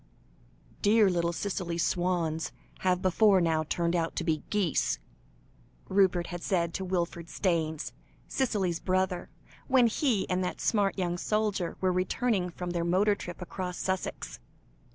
"Dear little Cicely's swans have before now turned out to be geese," Rupert had said to Wilfred Staynes, Cicely's brother, when he and that smart young soldier were returning from their motor trip across Sussex.